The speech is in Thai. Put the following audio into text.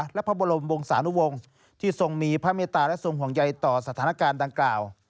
และพระบรมวงศานุวงศ์ที่ทรงมีพระเมตตาและทรงห่วงใยต่อสถานการณ์ดังกล่าว